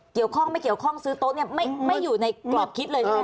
เกี่ยวข้องไม่เกี่ยวข้องซื้อโต๊ะเนี่ยไม่อยู่ในกรอบคิดเลยใช่ไหมค